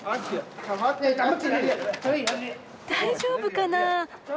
大丈夫かな？